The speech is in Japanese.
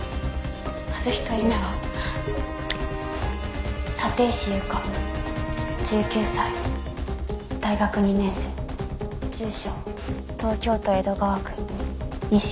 「まず１人目は立石優花１９歳大学２年生」住所東京都江戸川区錦